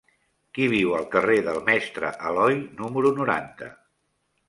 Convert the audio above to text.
Qui viu al carrer del Mestre Aloi número noranta?